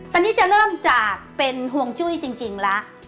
ตอนนี้จะเริ่มจากเป็นห่วงจุ้ยจริงแล้ว